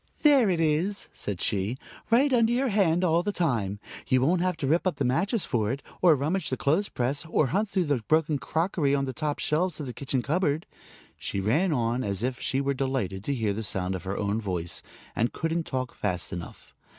"There it is," said she, "right under your hand all the time. You won't have to rip up the mattress for it, or rummage the clothes press, or hunt through the broken crockery on the top shelves of the kitchen cupboard," she ran on, as if she were delighted to hear the sound of her own voice, and couldn't talk fast enough.